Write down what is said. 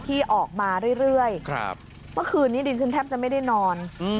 ที่ออกมาเรื่อยเรื่อยครับเมื่อคืนนี้ดินซินแทบจะไม่ได้นอนอืม